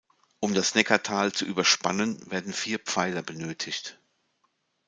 Um das Neckartal zu überspannen, werden vier Pfeiler benötigt.